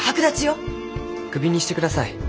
クビにして下さい。